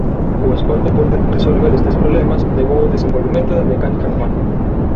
O esforzo por resolver estes problemas levou ao desenvolvemento da mecánica cuántica.